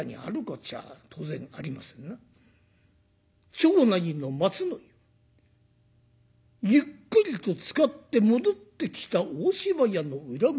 町内の松の湯ゆっくりとつかって戻ってきた大島屋の裏口